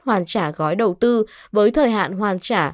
hoàn trả gói đầu tư với thời hạn hoàn trả